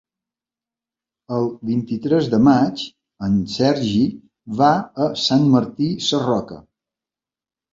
El vint-i-tres de maig en Sergi va a Sant Martí Sarroca.